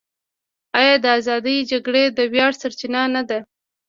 آیا د ازادۍ جګړې د ویاړ سرچینه نه ده؟